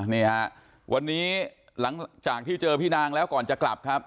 นี่ฮะวันนี้หลังจากที่เจอพี่นางแล้วก่อนจะกลับครับ